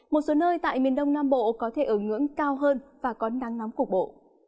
một số nơi tại miền đông nam bộ có thể ở ngưỡng cao hơn và có nắng nóng cục bộ